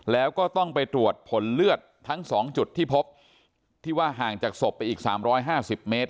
แล้วก็ต้องไปตรวจผลเลือดทั้ง๒จุดที่พบที่ว่าห่างจากศพไปอีก๓๕๐เมตร